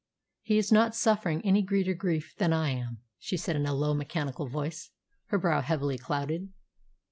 "He is not suffering any greater grief than I am," she said in a low, mechanical voice, her brow heavily clouded.